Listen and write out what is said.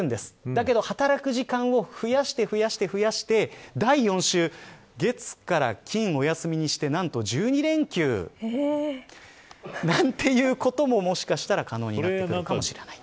だけど、働く時間を増やして増やして増やして第４週月から金をお休みにして何と１２連休なんていうことももしかしたら可能になってくるかもしれない。